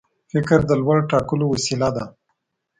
فکر د لور ټاکلو وسیله ده.